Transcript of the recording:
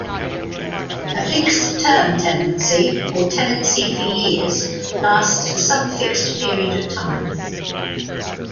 A fixed-term tenancy or tenancy for years lasts for some fixed period of time.